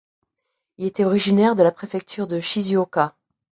Il était originaire de la Préfecture de Shizuoka.